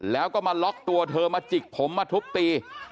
แล้วก็มาล็อกตัวเธอมาจิกผมมาทุบตี